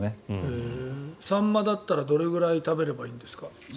サンマだったらどれぐらい食べたほうがいいんですか？